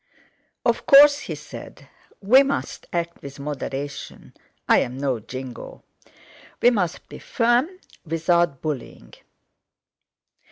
"Of course," he said, "we must act with moderation. I'm no jingo. We must be firm without bullying.